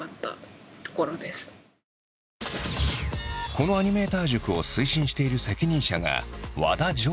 このアニメーター塾を推進している責任者が和田丈嗣。